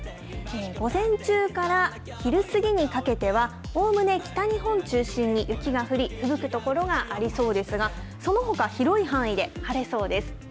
午前中から昼過ぎにかけては、おおむね北日本中心に雪が降り、ふぶく所がありそうですが、そのほか、広い範囲で晴れそうです。